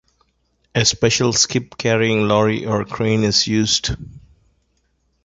A special skip-carrying lorry or crane is used.